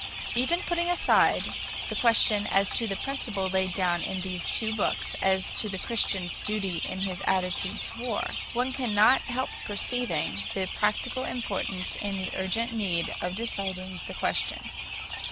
Even putting aside the question as to the principle laid down in these two books as to the Christian's duty in his attitude to war, one cannot help perceiving the practical importance and the urgent need of deciding the question.